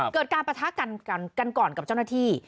เกิดการปะทะกันก่อนกับเจ้าหน้าที่